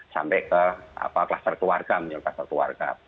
sampai ke kluster keluarga